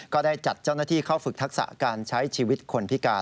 ก็ได้จัดเจ้าหน้าที่เข้าฝึกทักษะการใช้ชีวิตคนพิการ